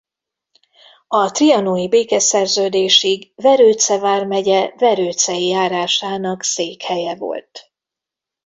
A trianoni békeszerződésig Verőce vármegye Verőcei járásának székhelye volt.